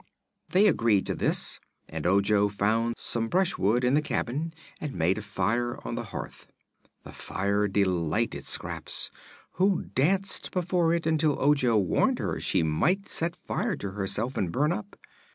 They agreed to this and Ojo found some brushwood in the cabin and made a fire on the hearth. The fire delighted Scraps, who danced before it until Ojo warned her she might set fire to herself and burn up.